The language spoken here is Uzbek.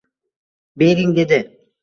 bering, — dedi.